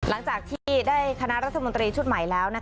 หลังจากที่ได้คณะรัฐมนตรีชุดใหม่แล้ว